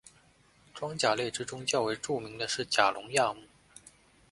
装甲类之中较为著名的是甲龙亚目。